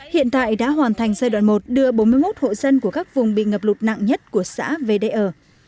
hiện tại đã hoàn thành giai đoạn một đưa bốn mươi một hộ dân của các vùng bị ngập lụt nặng nhất của xã về đây ở